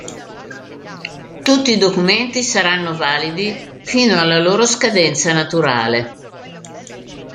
Tutti i documenti saranno validi fino alla loro scadenza naturale.